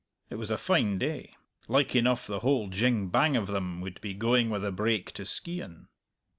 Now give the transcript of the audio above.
It was a fine day; like enough the whole jing bang of them would be going with the brake to Skeighan.